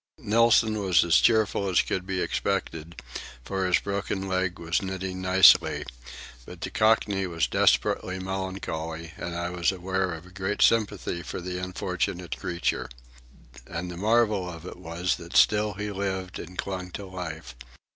Nilson was as cheerful as could be expected, for his broken leg was knitting nicely; but the Cockney was desperately melancholy, and I was aware of a great sympathy for the unfortunate creature. And the marvel of it was that still he lived and clung to life.